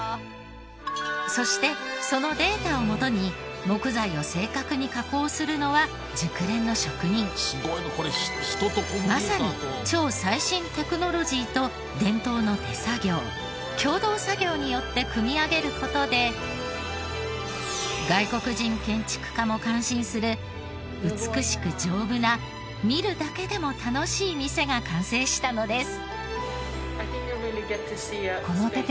そしてそのデータをもとに木材を正確に加工するのはまさに超最新テクノロジーと伝統の手作業共同作業によって組み上げる事で外国人建築家も感心する美しく丈夫な見るだけでも楽しい店が完成したのです。